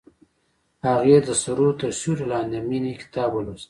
هغې د سرود تر سیوري لاندې د مینې کتاب ولوست.